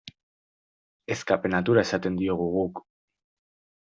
Escape-natura esaten diogu guk.